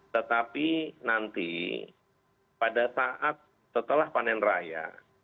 tetapi nanti pada saat setelah panen raya